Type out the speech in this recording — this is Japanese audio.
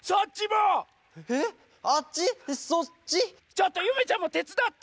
ちょっとゆめちゃんもてつだって！